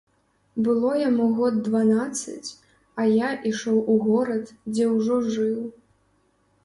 Было яму год дванаццаць, а я ішоў у горад, дзе ўжо жыў.